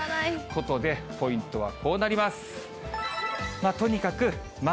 ことで、ポイントはこうなります。